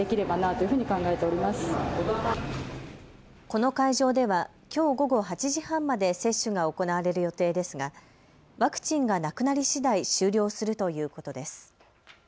この会場ではきょう午後８時半まで接種が行われる予定ですがワクチンがなくなりしだい終了するということです。